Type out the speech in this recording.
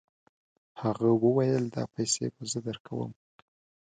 هغه وویل دا پیسې به زه درکوم.